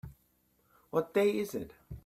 What day is it?